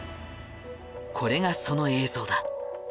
これがその映像だ。